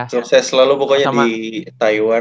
sukses selalu pokoknya di taiwan